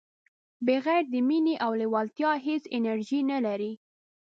بغیر د مینې او لیوالتیا هیڅ انرژي نه لرئ.